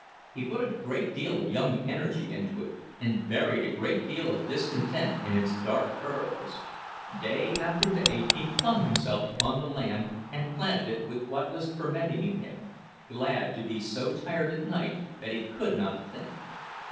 He put a great deal of young energy into it, and buried a great deal of discontent in its dark furrows. Day after day he flung himself upon the land and planted it with what was fermenting in him, glad to be so tired at night that he could not think.